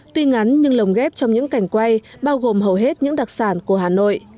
tuy ngắn nhưng lồng ghép trong những cảnh quay bao gồm hầu hết những đặc sản của hà nội